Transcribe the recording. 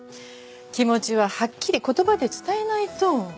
気持ちははっきり言葉で伝えないと。